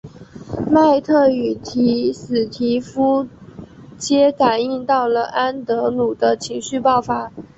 麦特与史提夫皆感应到了安德鲁的情绪爆发。